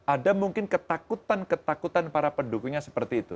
ada mungkin ketakutan ketakutan para pendukungnya seperti itu